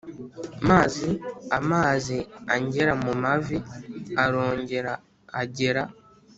Mazi amazi angera mu mavi arongera agera